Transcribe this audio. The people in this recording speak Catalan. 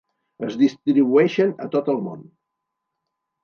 Es distribueixen a tot el món.